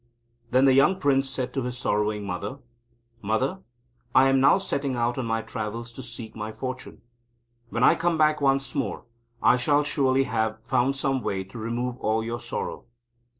Then the young Prince said to his sorrowing mother; "Mother, I am now setting out on my travels to seek my fortune. When I come back once more, I shall surely have found some way to remove all your sorrow."